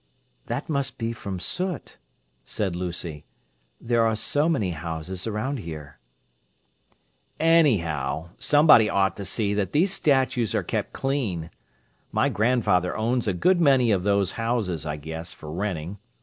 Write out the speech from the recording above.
"That must be from soot," said Lucy. "There are so many houses around here." "Anyhow, somebody ought to see that these statues are kept clean. My grandfather owns a good many of these houses, I guess, for renting.